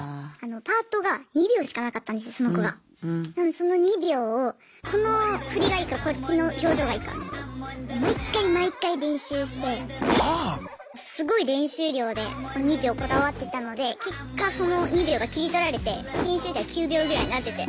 なのにその２秒をこの振りがいいかこっちの表情がいいか毎回毎回練習してすごい練習量でその２秒こだわってたので結果その２秒が切り取られて編集では９秒ぐらいになってて。